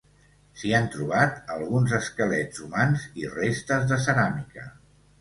S'hi han trobat alguns esquelets humans i restes de ceràmica.